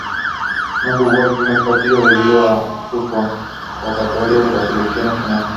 No jugó el primer partido debido a su convocatoria con la Selección Nacional.